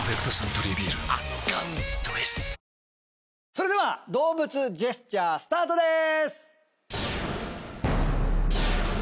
それでは動物ジェスチャースタートでーす！